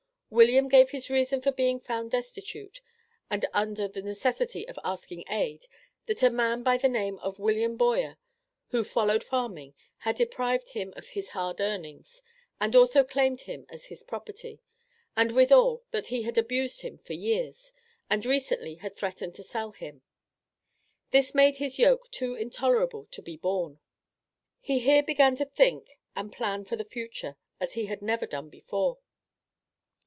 William gave as his reason for being found destitute, and under the necessity of asking aid, that a man by the name of William Boyer, who followed farming, had deprived him of his hard earnings, and also claimed him as his property; and withal that he had abused him for years, and recently had "threatened to sell" him. This threat made his yoke too intolerable to be borne. He here began to think and plan for the future as he had never done before.